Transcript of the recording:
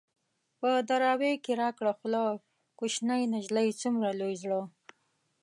په دراوۍ کې را کړه خوله ـ کوشنۍ نجلۍ څومره لوی زړه